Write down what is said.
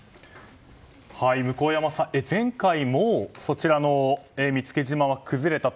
向山さん、前回もそちらの見附島は崩れたと。